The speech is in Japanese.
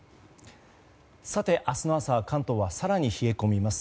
明日の朝は関東は更に冷え込みます。